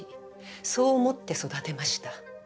そう思って育てました。